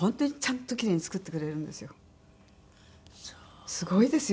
すごいですよ今。